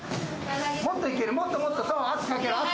もっと行けるもっともっと圧かける圧かける。